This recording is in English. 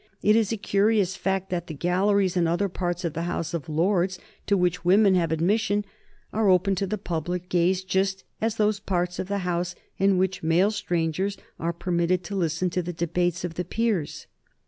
It is a curious fact that the galleries and other parts of the House of Lords to which women have admission are open to the public gaze just as are those parts of the House in which male strangers are permitted to listen to the debates of the peers.